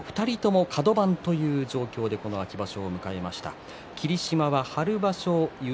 ２人ともカド番という状況で秋場所を迎えました。